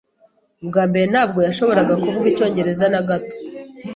Ubwa mbere, ntabwo yashoboraga kuvuga icyongereza na gato.